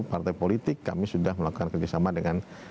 partai politik kami sudah melakukan kerjasama dengan